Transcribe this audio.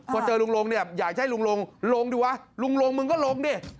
พอเจอลุงลงเนี่ยอยากจะให้ลุงลงลงดีวะลุงลงมึงก็ลงดิ